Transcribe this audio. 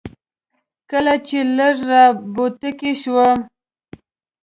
کله چې لږ را بوتکی شوم.